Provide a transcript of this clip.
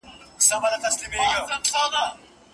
د رژېدلو باڼوگانو سره مينه لري